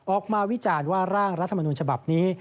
ออกมาวิจารย์ว่าร่างรัฐมนูลฉบับนี้